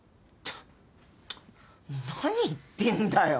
何言ってんだよ。